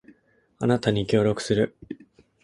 あなたに協力する